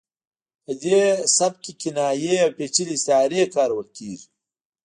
په دې سبک کې کنایې او پیچلې استعارې کارول کیږي